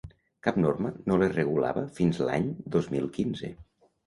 Cap norma no les regulava fins l’any dos mil quinze.